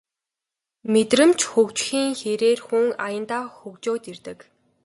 Мэдрэмж хөгжихийн хэрээр хүн аяндаа хөгжөөд ирдэг